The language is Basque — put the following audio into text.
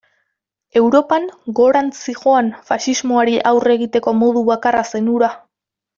Europan gorantz zihoan faxismoari aurre egiteko modu bakarra zen hura.